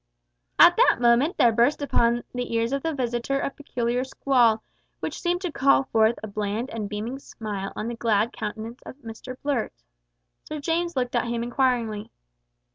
At that moment there burst upon the ears of the visitor a peculiar squall, which seemed to call forth a bland and beaming smile on the glad countenance of Mr Blurt. Sir James looked at him inquiringly.